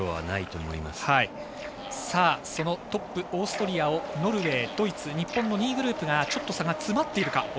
トップ、オーストリアをノルウェー、ドイツ、日本の２位グループがちょっと差が詰まっているか。